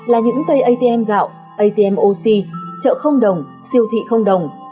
là những cây atm gạo atm oxy chợ không đồng siêu thị không đồng